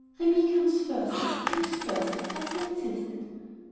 "Remi comes first; he comes first," Arthur insisted.